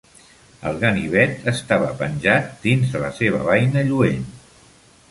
El ganivet estava penjat dins de la seva beina lluent.